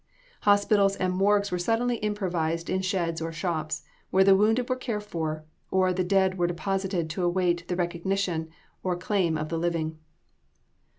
Hospitals and morgues were suddenly improvised in sheds or shops, where the wounded were cared for, or the dead were deposited to await the recognition or claim of the living.